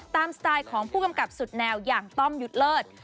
สไตล์ของผู้กำกับสุดแนวอย่างต้อมยุทธ์เลิศ